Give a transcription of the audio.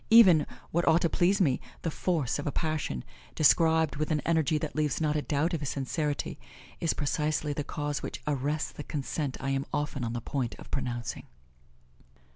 Even what ought to please me the force of a passion, described with an energy that leaves not a doubt of his sincerity, is precisely the cause which arrests the consent I am often on the point of pronouncing.